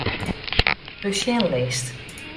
Besjenlist.